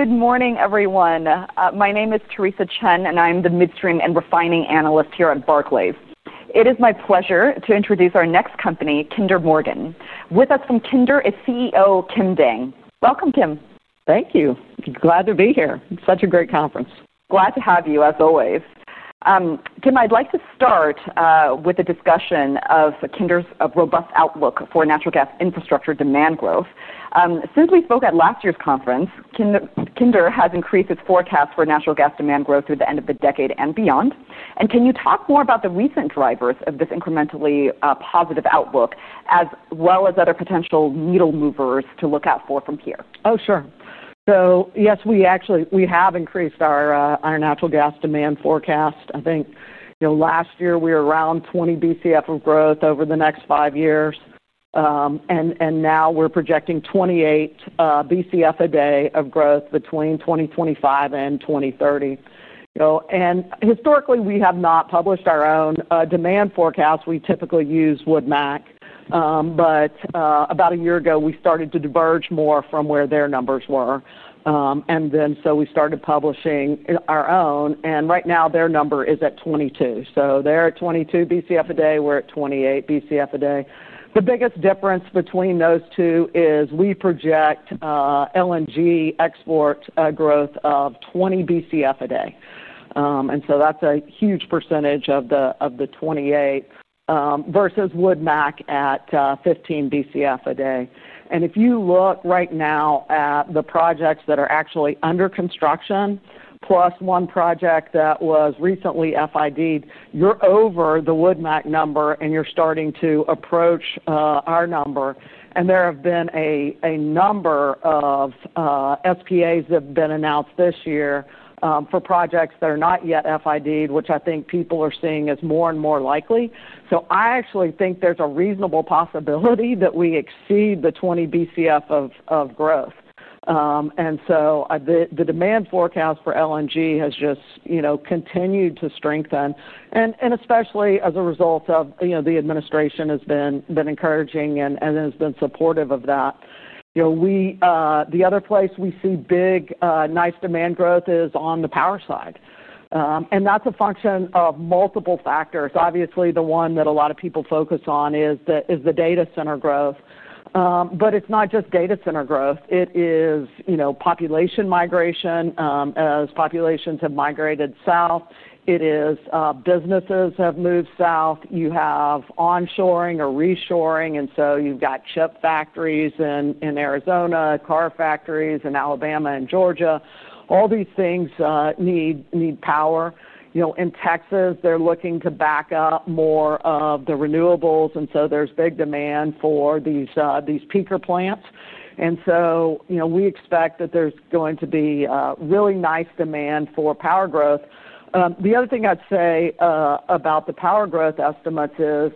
Good morning, everyone. My name is Theresa Chen, and I'm the midstream and refining analyst here at Barclays. It is my pleasure to introduce our next company, Kinder Morgan. With us from Kinder is CEO Kim Dang. Welcome, Kim. Thank you. Glad to be here. Such a great conference. Glad to have you, as always. Kim, I'd like to start with a discussion of Kinder's robust outlook for natural gas infrastructure demand growth. Since we spoke at last year's conference, Kinder has increased its forecast for natural gas demand growth through the end of the decade and beyond, and can you talk more about the recent drivers of this incrementally positive outlook, as well as other potential needle movers to look out for from here? Oh, sure. So yes, we have increased our natural gas demand forecast. I think last year we were around 20 BCF of growth over the next five years. And now we're projecting 28 BCF a day of growth between 2025 and 2030. And historically, we have not published our own demand forecast. We typically use Wood Mac. But about a year ago, we started to diverge more from where their numbers were. And then so we started publishing our own. And right now, their number is at 22. So they're at 22 BCF a day. We're at 28 BCF a day. The biggest difference between those two is we project LNG export growth of 20 BCF a day. And so that's a huge percentage of the 28 versus Wood Mac at 15 BCF a day. And if you look right now at the projects that are actually under construction, plus one project that was recently FID'ed, you're over the Wood Mackenzie number, and you're starting to approach our number. And there have been a number of SPAs that have been announced this year for projects that are not yet FID'ed, which I think people are seeing as more and more likely. So I actually think there's a reasonable possibility that we exceed the 20 BCF of growth. And so the demand forecast for LNG has just continued to strengthen. And especially as a result of the administration has been encouraging and has been supportive of that. The other place we see big, nice demand growth is on the power side. And that's a function of multiple factors. Obviously, the one that a lot of people focus on is the data center growth. But it's not just data center growth. It is population migration. As populations have migrated south, businesses have moved south. You have onshoring or reshoring. And so you've got chip factories in Arizona, car factories in Alabama and Georgia. All these things need power. In Texas, they're looking to back up more of the renewables. And so there's big demand for these peaker plants. And so we expect that there's going to be really nice demand for power growth. The other thing I'd say about the power growth estimates is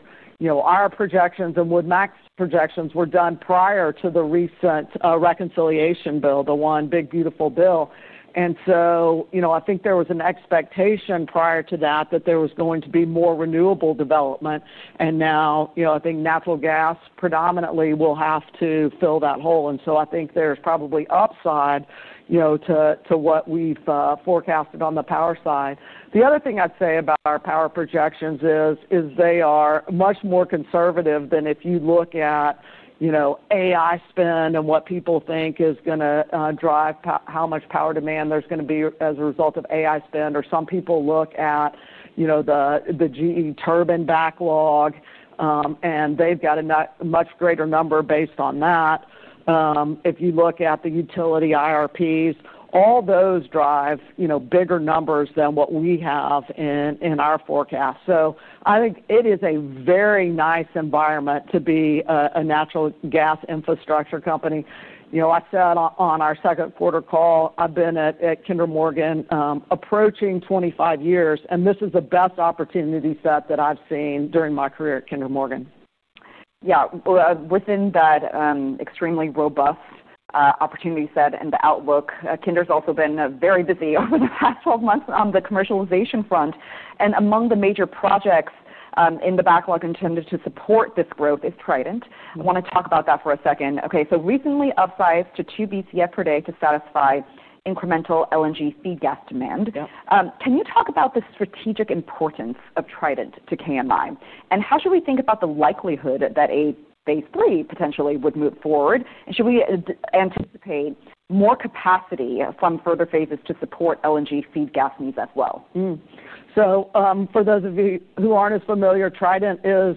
our projections and Wood Mackenzie's projections were done prior to the recent reconciliation bill, the one big, beautiful bill. And so I think there was an expectation prior to that that there was going to be more renewable development. And now I think natural gas predominantly will have to fill that hole. And so I think there's probably upside to what we've forecasted on the power side. The other thing I'd say about our power projections is they are much more conservative than if you look at AI spend and what people think is going to drive how much power demand there's going to be as a result of AI spend. Or some people look at the GE turbine backlog, and they've got a much greater number based on that. If you look at the utility IRPs, all those drive bigger numbers than what we have in our forecast. So I think it is a very nice environment to be a natural gas infrastructure company. I said on our second quarter call, I've been at Kinder Morgan approaching 25 years. And this is the best opportunity set that I've seen during my career at Kinder Morgan. Yeah. Within that extremely robust opportunity set and the outlook, Kinder's also been very busy over the past 12 months on the commercialization front. And among the major projects in the backlog intended to support this growth is Trident. I want to talk about that for a second. Okay. So recently upsized to 2 BCF per day to satisfy incremental LNG feed gas demand. Can you talk about the strategic importance of Trident to KMI? And how should we think about the likelihood that a phase three potentially would move forward? And should we anticipate more capacity from further phases to support LNG feed gas needs as well? So for those of you who aren't as familiar, Trident is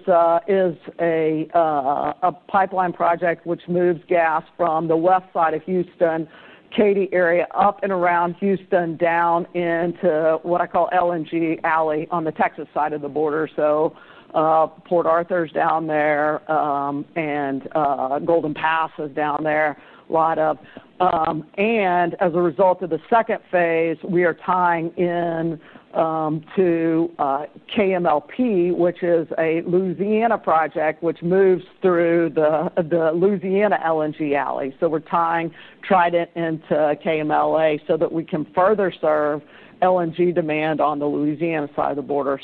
a pipeline project which moves gas from the west side of Houston, Katy area, up and around Houston, down into what I call LNG Alley on the Texas side of the border. So Port Arthur's down there, and Golden Pass is down there, right up. And as a result of the second phase, we are tying in to KMLP, which is a Louisiana project which moves through the Louisiana LNG Alley. So we're tying Trident into KMLP so that we can further serve LNG demand on the Louisiana side of the border.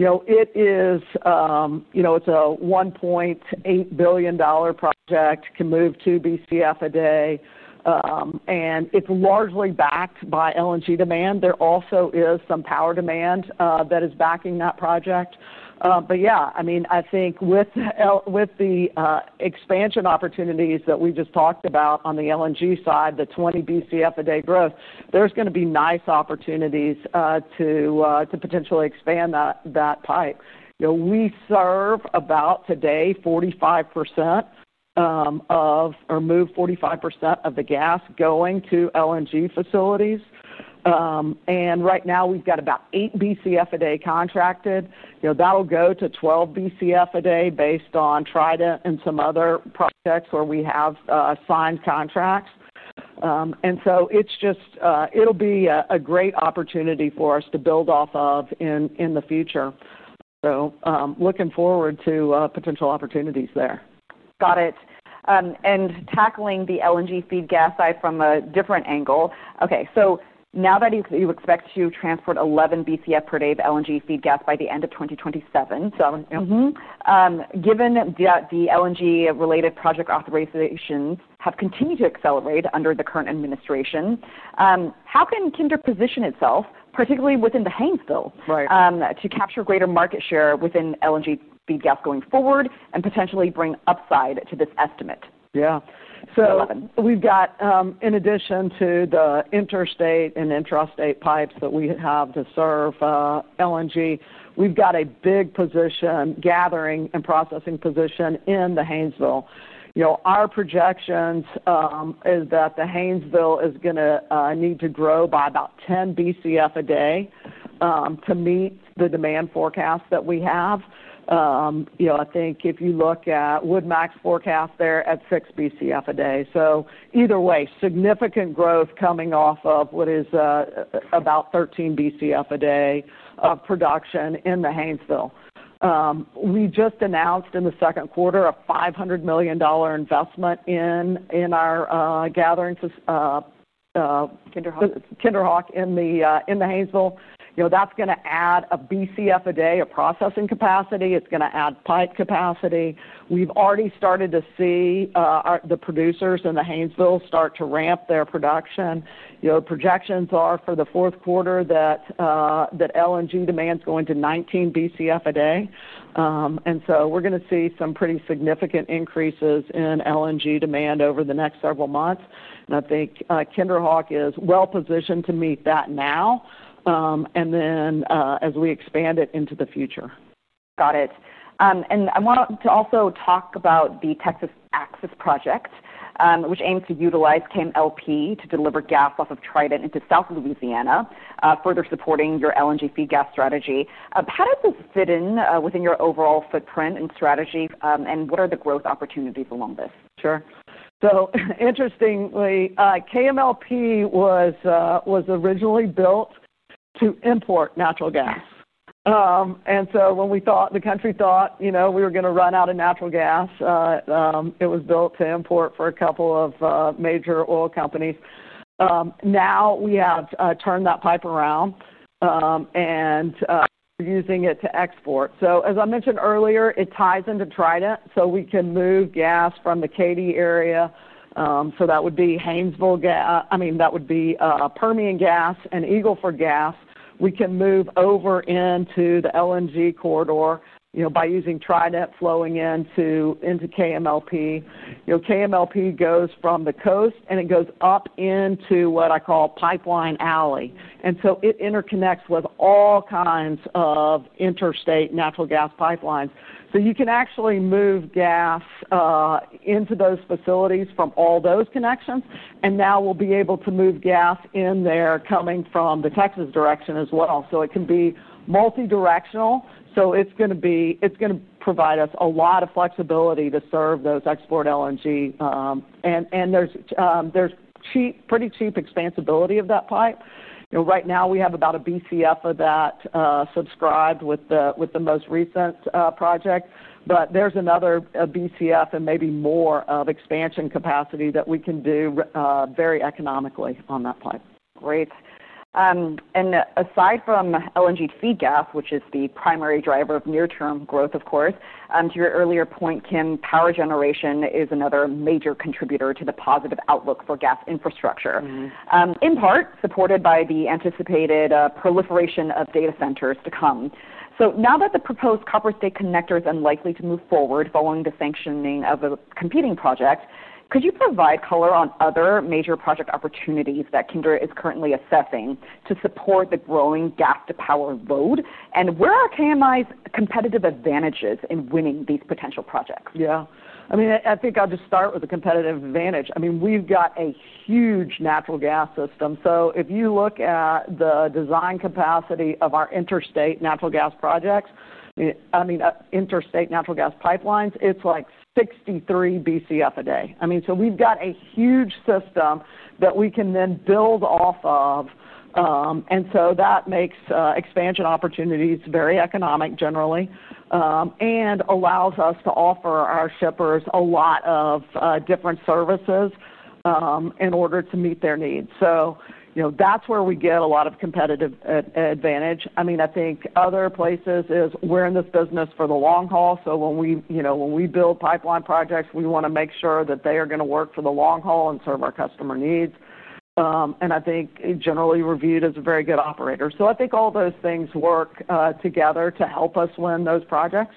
So it is a $1.8 billion project, can move 2 BCF a day. And it's largely backed by LNG demand. There also is some power demand that is backing that project. But yeah, I mean, I think with the expansion opportunities that we just talked about on the LNG side, the 20 BCF a day growth, there's going to be nice opportunities to potentially expand that pipe. We serve about today 45% of or move 45% of the gas going to LNG facilities. And right now, we've got about 8 BCF a day contracted. That'll go to 12 BCF a day based on Trident and some other projects where we have signed contracts. And so it'll be a great opportunity for us to build off of in the future. So looking forward to potential opportunities there. Got it. And tackling the LNG feed gas side from a different angle. Okay. So now that you expect to transport 11 BCF per day of LNG feed gas by the end of 2027, given that the LNG-related project authorizations have continued to accelerate under the current administration, how can Kinder position itself, particularly within the Haynesville, to capture greater market share within LNG feed gas going forward and potentially bring upside to this estimate? Yeah. So we've got, in addition to the interstate and intrastate pipes that we have to serve LNG, we've got a big position, gathering and processing position in the Haynesville. Our projections are that the Haynesville is going to need to grow by about 10 BCF a day to meet the demand forecast that we have. I think if you look at Wood Mackenzie's forecast, they're at 6 BCF a day. So either way, significant growth coming off of what is about 13 BCF a day of production in the Haynesville. We just announced in the second quarter a $500 million investment in our gathering. KinderHawk? KinderHawk in the Haynesville. That's going to add a BCF a day of processing capacity. It's going to add pipe capacity. We've already started to see the producers in the Haynesville start to ramp their production. Projections are for the fourth quarter that LNG demand's going to 19 BCF a day, and so we're going to see some pretty significant increases in LNG demand over the next several months, and I think KinderHawk is well positioned to meet that now and then as we expand it into the future. Got it. And I want to also talk about the Texas Access Project, which aims to utilize KMLP to deliver gas off of Trident into South Louisiana, further supporting your LNG feed gas strategy. How does this fit in within your overall footprint and strategy, and what are the growth opportunities along this? Sure. Interestingly, KMLP was originally built to import natural gas. When we thought the country thought we were going to run out of natural gas, it was built to import for a couple of major oil companies. Now we have turned that pipe around and we're using it to export. As I mentioned earlier, it ties into Trident. We can move gas from the Katy area. That would be Haynesville gas. I mean, that would be Permian gas and Eagle Ford gas. We can move over into the LNG corridor by using Trident flowing into KMLP. KMLP goes from the coast, and it goes up into what I call Pipeline alley. It interconnects with all kinds of interstate natural gas pipelines. You can actually move gas into those facilities from all those connections. Now we'll be able to move gas in there coming from the Texas direction as well. It can be multi-directional. It's going to provide us a lot of flexibility to serve those LNG exports. There's pretty cheap expansibility of that pipe. Right now, we have about a BCF of that subscribed with the most recent project. There's another BCF and maybe more of expansion capacity that we can do very economically on that pipe. Great. And aside from LNG feed gas, which is the primary driver of near-term growth, of course, to your earlier point, Kim, power generation is another major contributor to the positive outlook for gas infrastructure, in part supported by the anticipated proliferation of data centers to come. So now that the proposed Copper State Connectors are likely to move forward following the sanctioning of a competing project, could you provide color on other major project opportunities that Kinder is currently assessing to support the growing gas-to-power load? And where are KMI's competitive advantages in winning these potential projects? Yeah. I mean, I think I'll just start with the competitive advantage. I mean, we've got a huge natural gas system. So if you look at the design capacity of our interstate natural gas projects, I mean, interstate natural gas pipelines, it's like 63 BCF a day. I mean, so we've got a huge system that we can then build off of. And so that makes expansion opportunities very economic generally and allows us to offer our shippers a lot of different services in order to meet their needs. So that's where we get a lot of competitive advantage. I mean, I think other places is we're in this business for the long haul. So when we build pipeline projects, we want to make sure that they are going to work for the long haul and serve our customer needs. And I think generally reviewed as a very good operator. I think all those things work together to help us win those projects.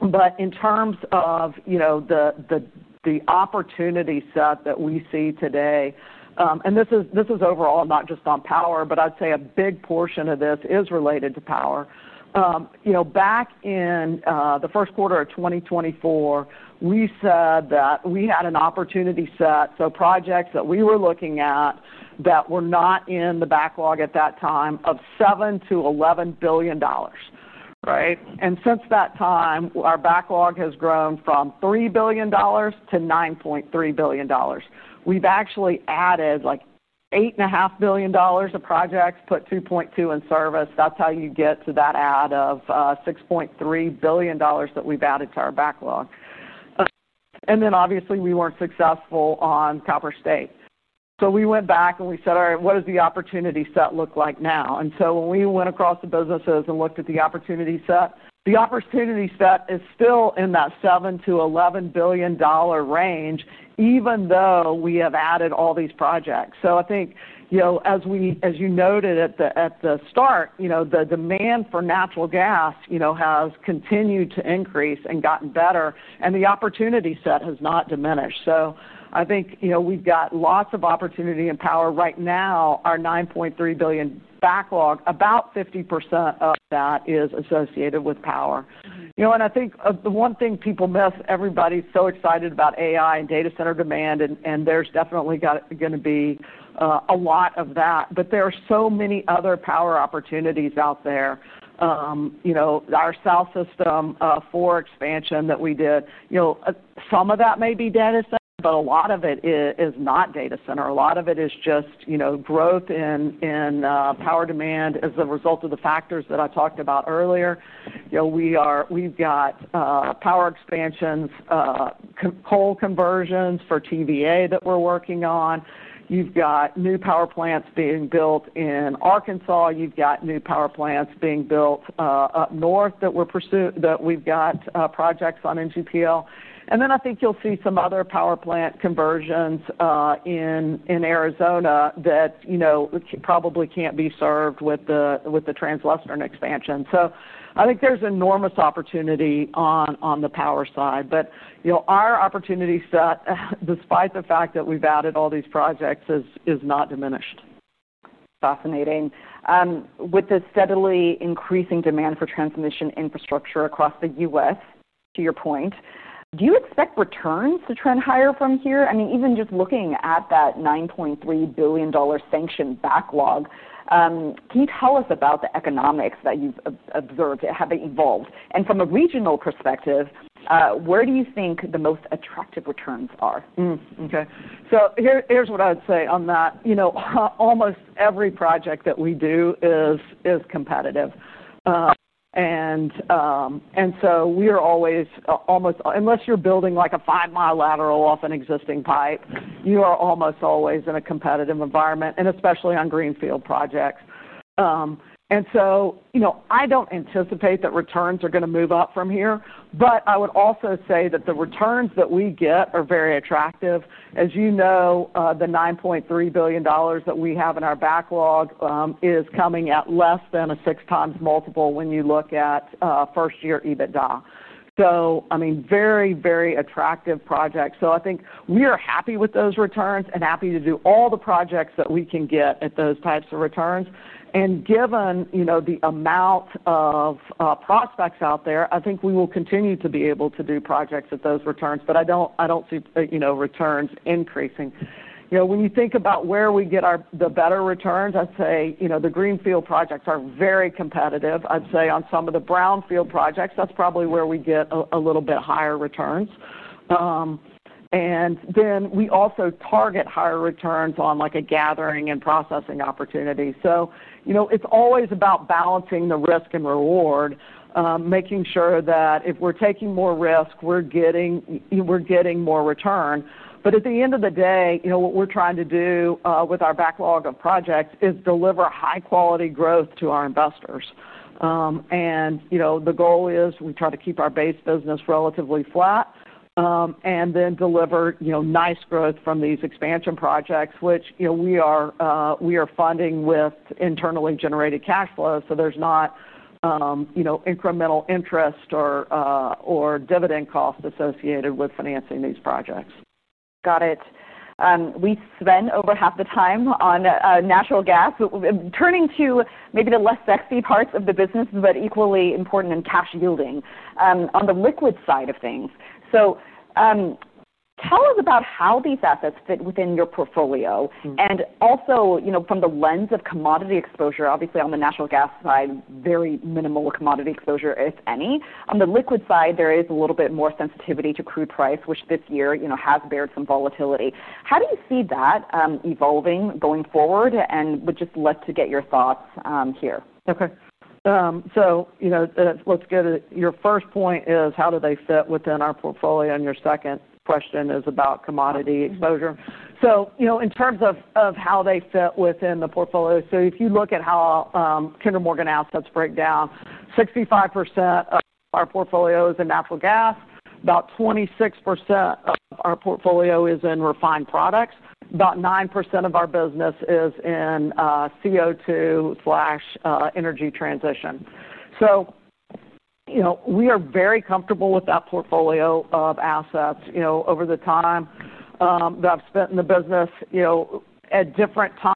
But in terms of the opportunity set that we see today, and this is overall not just on power, but I'd say a big portion of this is related to power. Back in the first quarter of 2024, we said that we had an opportunity set. So projects that we were looking at that were not in the backlog at that time of $7-$11 billion. And since that time, our backlog has grown from $3 billion to $9.3 billion. We've actually added like $8.5 billion of projects, put $2.2 billion in service. That's how you get to that add of $6.3 billion that we've added to our backlog. And then obviously, we weren't successful on Copper State. So we went back and we said, "All right, what does the opportunity set look like now?" And so when we went across the businesses and looked at the opportunity set, the opportunity set is still in that $7-$11 billion range, even though we have added all these projects. So I think as you noted at the start, the demand for natural gas has continued to increase and gotten better, and the opportunity set has not diminished. So I think we've got lots of opportunity and power. Right now, our $9.3 billion backlog, about 50% of that is associated with power. And I think the one thing people miss, everybody's so excited about AI and data center demand, and there's definitely going to be a lot of that. But there are so many other power opportunities out there. Our South System for expansion that we did, some of that may be data center, but a lot of it is not data center. A lot of it is just growth in power demand as a result of the factors that I talked about earlier. We've got power expansions, coal conversions for TVA that we're working on. You've got new power plants being built in Arkansas. You've got new power plants being built up north that we've got projects on NGPL. And then I think you'll see some other power plant conversions in Arizona that probably can't be served with the Transwestern expansion. So I think there's enormous opportunity on the power side. But our opportunity set, despite the fact that we've added all these projects, is not diminished. Fascinating. With the steadily increasing demand for transmission infrastructure across the U.S., to your point, do you expect returns to trend higher from here? I mean, even just looking at that $9.3 billion sanctioned backlog, can you tell us about the economics that you've observed have evolved? And from a regional perspective, where do you think the most attractive returns are? Okay, so here's what I would say on that. Almost every project that we do is competitive, and so we are always almost unless you're building like a five-mile lateral off an existing pipe. You are almost always in a competitive environment, and especially on greenfield projects, and so I don't anticipate that returns are going to move up from here, but I would also say that the returns that we get are very attractive. As you know, the $9.3 billion that we have in our backlog is coming at less than a six times multiple when you look at first-year EBITDA, so I mean, very, very attractive projects, so I think we are happy with those returns and happy to do all the projects that we can get at those types of returns. And given the amount of prospects out there, I think we will continue to be able to do projects at those returns. But I don't see returns increasing. When you think about where we get the better returns, I'd say the greenfield projects are very competitive. I'd say on some of the brownfield projects, that's probably where we get a little bit higher returns. And then we also target higher returns on a gathering and processing opportunity. So it's always about balancing the risk and reward, making sure that if we're taking more risk, we're getting more return. But at the end of the day, what we're trying to do with our backlog of projects is deliver high-quality growth to our investors. And the goal is we try to keep our base business relatively flat and then deliver nice growth from these expansion projects, which we are funding with internally generated cash flow. So there's not incremental interest or dividend costs associated with financing these projects. Got it. We spend over half the time on natural gas. Turning to maybe the less sexy parts of the business, but equally important in cash yielding, on the liquid side of things. So tell us about how these assets fit within your portfolio. And also from the lens of commodity exposure, obviously on the natural gas side, very minimal commodity exposure, if any. On the liquid side, there is a little bit more sensitivity to crude price, which this year has borne some volatility. How do you see that evolving going forward? And would just love to get your thoughts here. Okay. So let's get it. Your first point is how do they fit within our portfolio? And your second question is about commodity exposure. So in terms of how they fit within the portfolio, so if you look at how Kinder Morgan Assets break down, 65% of our portfolio is in natural gas. About 26% of our portfolio is in refined products. About 9% of our business is in CO2/energy transition. So we are very comfortable with that portfolio of assets. Over the time that I've spent in the business, at different times,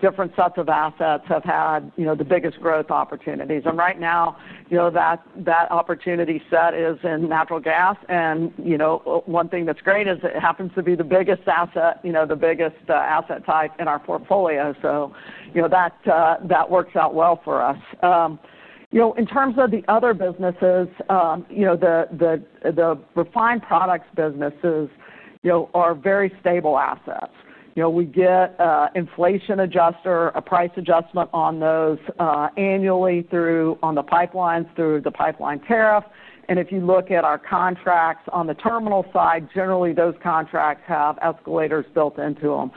different sets of assets have had the biggest growth opportunities. And right now, that opportunity set is in natural gas. And one thing that's great is it happens to be the biggest asset, the biggest asset type in our portfolio. So that works out well for us. In terms of the other businesses, the refined products businesses are very stable assets. We get inflation adjuster, a price adjustment on those annually on the pipelines through the pipeline tariff, and if you look at our contracts on the terminal side, generally those contracts have escalators built into them.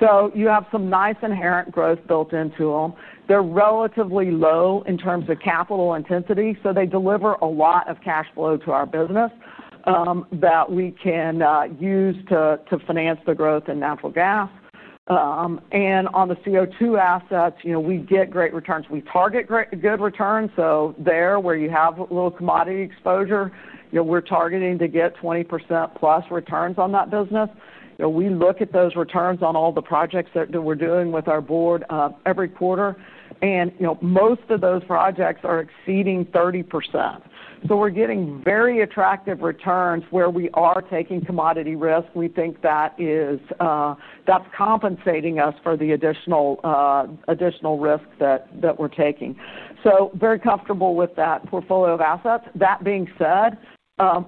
So you have some nice inherent growth built into them. They're relatively low in terms of capital intensity, so they deliver a lot of cash flow to our business that we can use to finance the growth in natural gas, and on the CO2 assets, we get great returns. We target good returns, so there where you have a little commodity exposure, we're targeting to get 20%+ returns on that business. We look at those returns on all the projects that we're doing with our board every quarter, and most of those projects are exceeding 30%. So we're getting very attractive returns where we are taking commodity risk. We think that's compensating us for the additional risk that we're taking. So very comfortable with that portfolio of assets. That being said,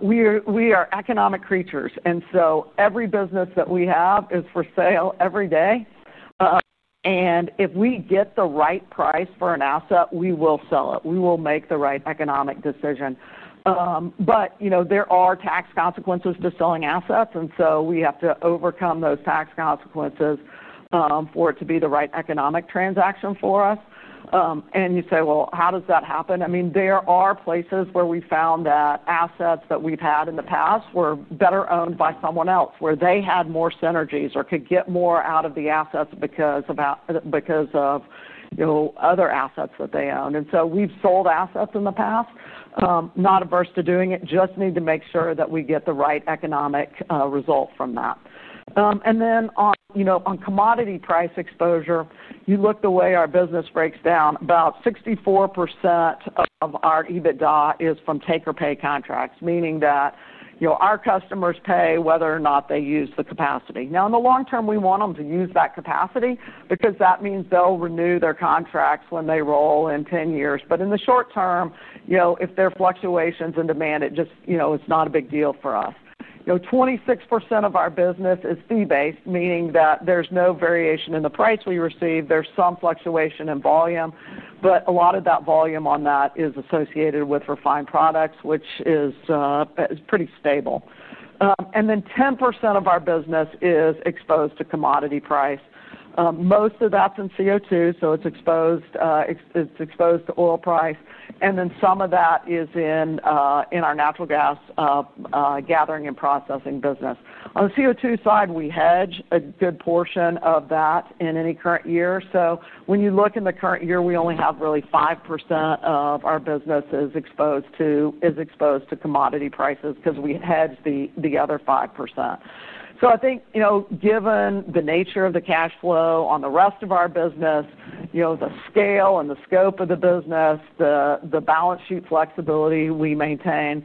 we are economic creatures. And so every business that we have is for sale every day. And if we get the right price for an asset, we will sell it. We will make the right economic decision. But there are tax consequences to selling assets. And so we have to overcome those tax consequences for it to be the right economic transaction for us. And you say, "Well, how does that happen?" I mean, there are places where we found that assets that we've had in the past were better owned by someone else where they had more synergies or could get more out of the assets because of other assets that they own. And so we've sold assets in the past, not averse to doing it, just need to make sure that we get the right economic result from that. And then on commodity price exposure, you look the way our business breaks down, about 64% of our EBITDA is from take-or-pay contracts, meaning that our customers pay whether or not they use the capacity. Now, in the long term, we want them to use that capacity because that means they'll renew their contracts when they roll in 10 years. But in the short term, if there are fluctuations in demand, it's not a big deal for us. 26% of our business is fee-based, meaning that there's no variation in the price we receive. There's some fluctuation in volume, but a lot of that volume on that is associated with refined products, which is pretty stable. And then 10% of our business is exposed to commodity price. Most of that's in CO2, so it's exposed to oil price. And then some of that is in our natural gas gathering and processing business. On the CO2 side, we hedge a good portion of that in any current year. So when you look in the current year, we only have really 5% of our business is exposed to commodity prices because we hedge the other 5%. So I think given the nature of the cash flow on the rest of our business, the scale and the scope of the business, the balance sheet flexibility we maintain,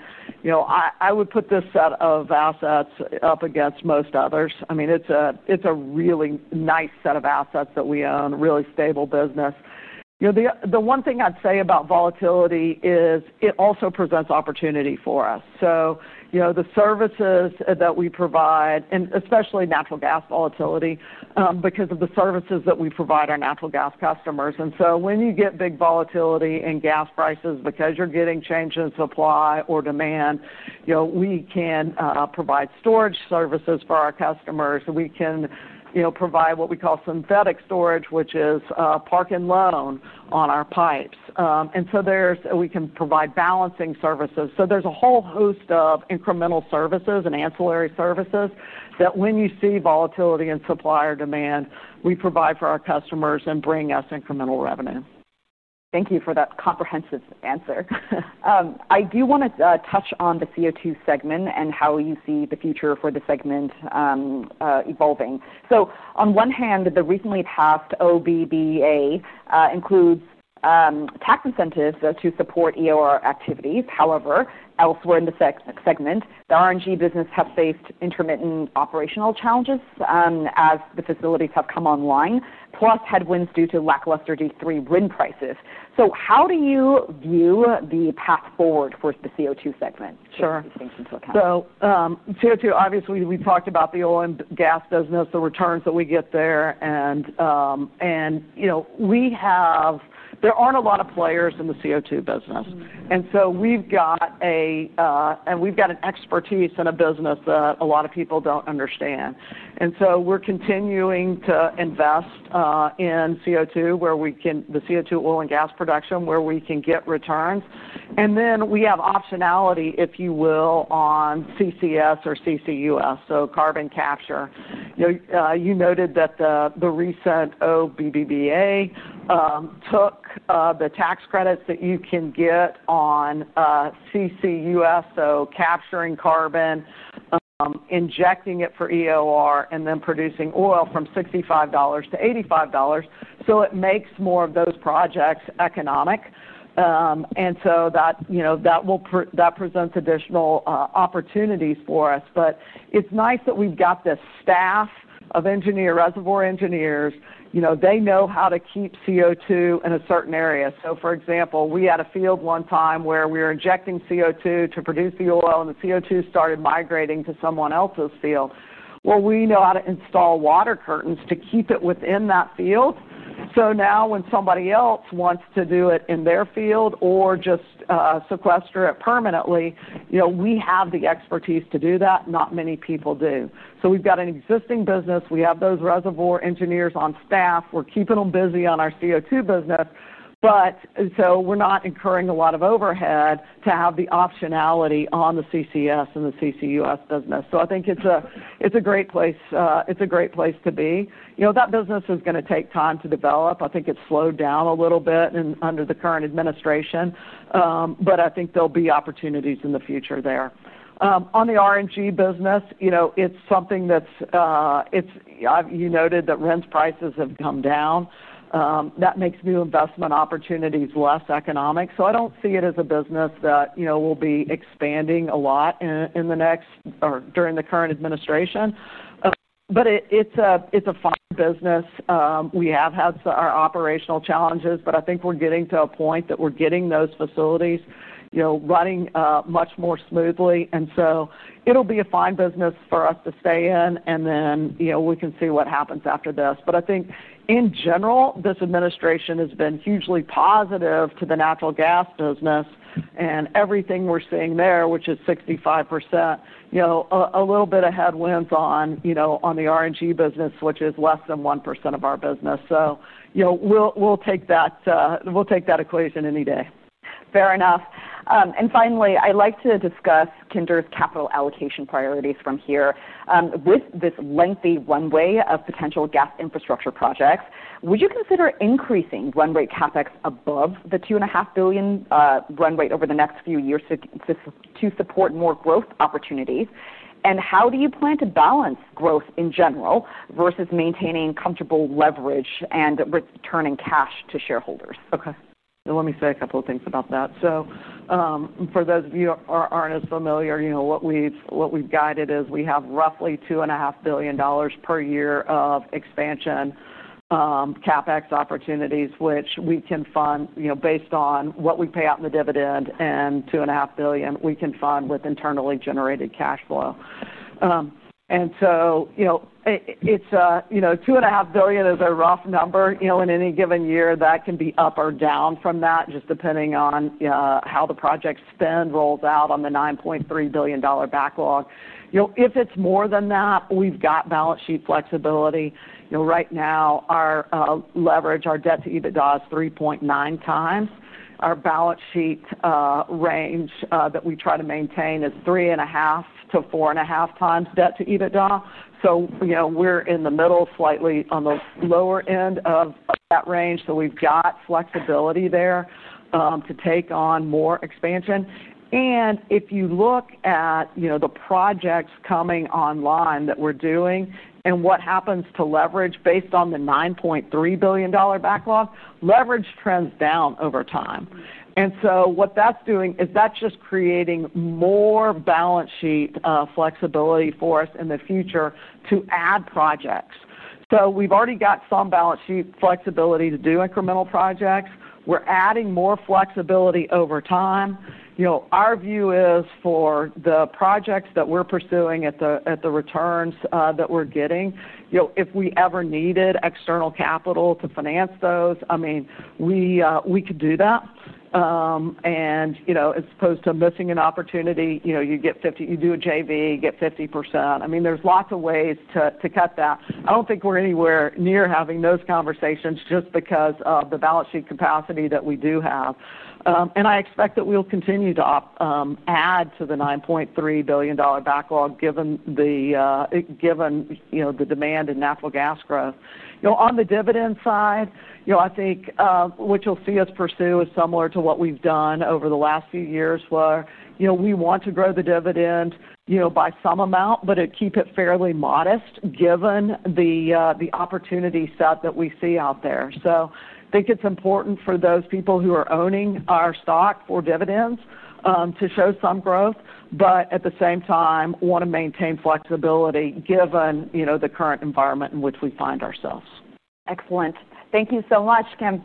I would put this set of assets up against most others. I mean, it's a really nice set of assets that we own, really stable business. The one thing I'd say about volatility is it also presents opportunity for us. So the services that we provide, and especially natural gas volatility, because of the services that we provide our natural gas customers. And so when you get big volatility in gas prices because you're getting change in supply or demand, we can provide storage services for our customers. We can provide what we call synthetic storage, which is park and loan on our pipes. And so we can provide balancing services. So there's a whole host of incremental services and ancillary services that, when you see volatility in supply or demand, we provide for our customers and bring us incremental revenue. Thank you for that comprehensive answer. I do want to touch on the CO2 segment and how you see the future for the segment evolving. So on one hand, the recently passed IRA includes tax incentives to support EOR activities. However, elsewhere in the segment, the RNG business has faced intermittent operational challenges as the facilities have come online, plus headwinds due to lackluster D3 RINs prices. So how do you view the path forward for the CO2 segment? Just to take into account. Sure. So CO2, obviously, we talked about the oil and gas business, the returns that we get there. And there aren't a lot of players in the CO2 business. And so we've got an expertise in a business that a lot of people don't understand. And so we're continuing to invest in CO2, the CO2 oil and gas production, where we can get returns. And then we have optionality, if you will, on CCS or CCUS, so carbon capture. You noted that the recent IRA took the tax credits that you can get on CCUS, so capturing carbon, injecting it for EOR, and then producing oil from $65-$85. So it makes more of those projects economic. And so that presents additional opportunities for us. But it's nice that we've got this staff of reservoir engineers. They know how to keep CO2 in a certain area. So for example, we had a field one time where we were injecting CO2 to produce the oil, and the CO2 started migrating to someone else's field. Well, we know how to install water curtains to keep it within that field. So now when somebody else wants to do it in their field or just sequester it permanently, we have the expertise to do that. Not many people do. So we've got an existing business. We have those reservoir engineers on staff. We're keeping them busy on our CO2 business. So we're not incurring a lot of overhead to have the optionality on the CCS and the CCUS business. So I think it's a great place. It's a great place to be. That business is going to take time to develop. I think it's slowed down a little bit under the current administration. But I think there'll be opportunities in the future there. On the RNG business, it's something that you noted that RIN prices have come down. That makes new investment opportunities less economic. So I don't see it as a business that will be expanding a lot during the current administration. But it's a fine business. We have had our operational challenges, but I think we're getting to a point that we're getting those facilities running much more smoothly. And so it'll be a fine business for us to stay in, and then we can see what happens after this. But I think in general, this administration has been hugely positive to the natural gas business. And everything we're seeing there, which is 65%, a little bit of headwinds on the RNG business, which is less than 1% of our business. So we'll take that equation any day. Fair enough. And finally, I'd like to discuss Kinder's capital allocation priorities from here. With this lengthy runway of potential gas infrastructure projects, would you consider increasing runway CapEx above the $2.5 billion runway over the next few years to support more growth opportunities? And how do you plan to balance growth in general versus maintaining comfortable leverage and returning cash to shareholders? Okay. Let me say a couple of things about that. So for those of you who aren't as familiar, what we've guided is we have roughly $2.5 billion per year of expansion CapEx opportunities, which we can fund based on what we pay out in the dividend. And $2.5 billion, we can fund with internally generated cash flow. And so it's $2.5 billion is a rough number. In any given year, that can be up or down from that, just depending on how the project spend rolls out on the $9.3 billion backlog. If it's more than that, we've got balance sheet flexibility. Right now, our leverage, our debt to EBITDA is 3.9 times. Our balance sheet range that we try to maintain is 3.5-4.5 times debt to EBITDA. So we're in the middle, slightly on the lower end of that range. So we've got flexibility there to take on more expansion. And if you look at the projects coming online that we're doing and what happens to leverage based on the $9.3 billion backlog, leverage trends down over time. And so what that's doing is that's just creating more balance sheet flexibility for us in the future to add projects. So we've already got some balance sheet flexibility to do incremental projects. We're adding more flexibility over time. Our view is for the projects that we're pursuing at the returns that we're getting, if we ever needed external capital to finance those, I mean, we could do that. And as opposed to missing an opportunity, you do a JV, you get 50%. I mean, there's lots of ways to cut that. I don't think we're anywhere near having those conversations just because of the balance sheet capacity that we do have. And I expect that we'll continue to add to the $9.3 billion backlog given the demand in natural gas growth. On the dividend side, I think what you'll see us pursue is similar to what we've done over the last few years, where we want to grow the dividend by some amount, but keep it fairly modest given the opportunity set that we see out there. So I think it's important for those people who are owning our stock for dividends to show some growth, but at the same time, want to maintain flexibility given the current environment in which we find ourselves. Excellent. Thank you so much, Kim.